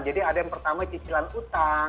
jadi ada yang pertama cicilan utang